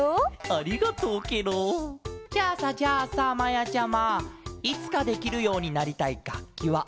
ありがとうケロ！じゃあさじゃあさまやちゃまいつかできるようになりたいがっきはあるケロ？